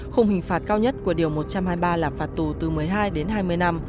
khung hình phạt cao nhất của điều một trăm hai mươi ba là phạt tù từ một mươi hai đến hai mươi năm